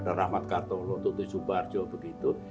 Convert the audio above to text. ada rahmat kato loto tujuh barjo begitu